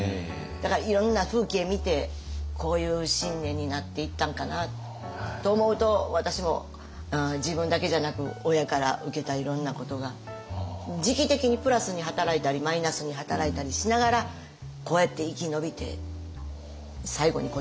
だからいろんな風景見てこういう信念になっていったんかなと思うと私も自分だけじゃなく親から受けたいろんなことが時期的にプラスに働いたりマイナスに働いたりしながらこうやって生き延びて最後に答えになっていくんやね。